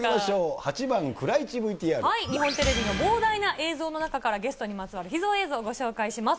８番、日本テレビの膨大な映像の中からゲストにまつわる秘蔵映像をご紹介します。